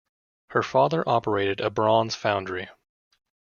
Her father operated a bronze foundry.